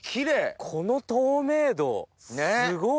この透明度すごい！